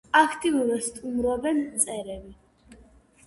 აქტიურად სტუმრობენ მწერები.